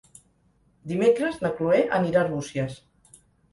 Dimecres na Cloè anirà a Arbúcies.